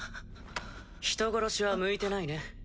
人殺しは向いてないね。